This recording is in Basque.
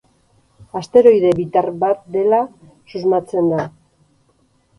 Asteroide bitar bat dela susmatzen da.